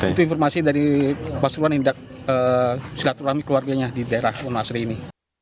itu informasi dari pasruan indak selatur rami keluarganya di daerah wono asri ini